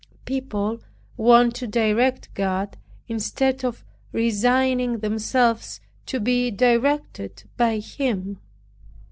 People want to direct God instead of resigning themselves to be directed by Him.